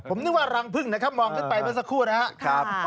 ผมนึกว่ารังพึ่งนะครับมองขึ้นไปเมื่อสักครู่นะครับ